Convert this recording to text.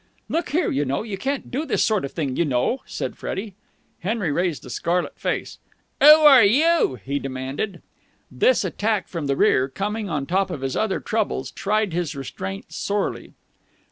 "'Look here, you know, you can't do this sort of thing, you know!" said Freddie. Henry raised a scarlet face. "'Oo are you?" he demanded. This attack from the rear, coming on top of his other troubles, tried his restraint sorely.